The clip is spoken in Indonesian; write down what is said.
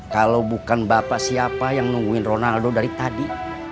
kalau bukan bapak siapa yang nungguin ronaldo dari tadi